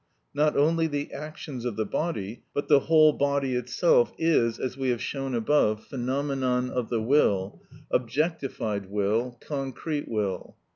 Not only the actions of the body, but the whole body itself is, as we have shown above, phenomenon of the will, objectified will, concrete will.